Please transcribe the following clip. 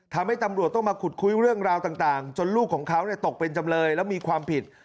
ทำให้ตำรวจต้องมาขุดคุยเรื่องราวต่างจนลูกของเขาตกเป็นจำเลยแล้วมีความผิด